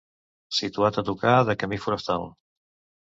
Situat a tocar de camí forestal.